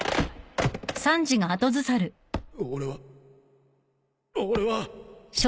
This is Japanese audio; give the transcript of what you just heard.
俺は俺は。